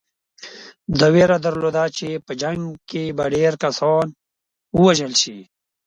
ده وېره درلوده چې په جنګ کې به ډېر کسان ووژل شي.